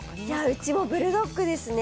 うちもブルドックですよね。